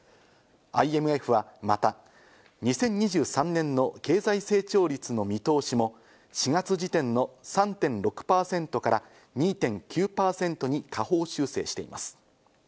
ＩＭＦはまた、２０２３年の経済成長率の見通しも、４月時点の３．６％から２．９％に下方修正しています。